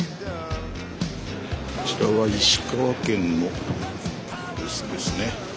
こちらは石川県のブースですね。